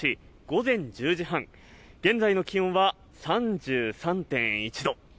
午前１０時半現在の気温は３３．１度。